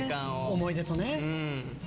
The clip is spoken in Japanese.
思い出とね。